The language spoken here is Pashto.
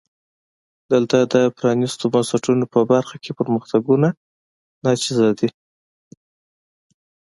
دلته د پرانیستو بنسټونو په برخه کې پرمختګونه ناچیزه دي.